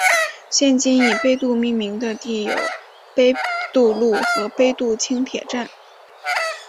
现今以杯渡命名的地有杯渡路和杯渡轻铁站。